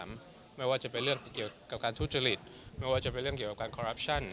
ร่วมว่าจะเป็นเรื่องแต่จะเกี่ยวกับการทุจิฬิต